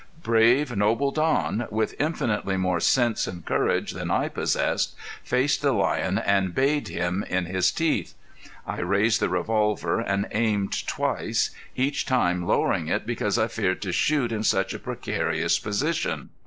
Brave, noble Don, with infinitely more sense and courage than I possessed, faced the lion and bayed him in his teeth. I raised the revolver and aimed twice, each time lowering it because I feared to shoot in such a precarious position.